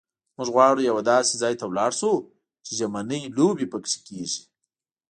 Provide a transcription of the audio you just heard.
موږ غواړو یوه داسې ځای ته ولاړ شو چې ژمنۍ لوبې پکښې کېږي.